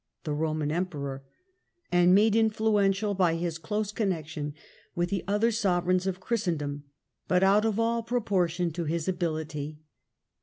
[the Roman Emperor], and made influential by his close connection with the other sovereigns of Christendom; lDut out of all proportion to his ability.